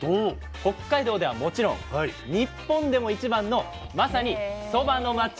北海道ではもちろん日本でも一番のまさにそばの町なんです。